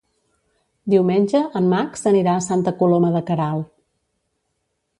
Diumenge en Max anirà a Santa Coloma de Queralt.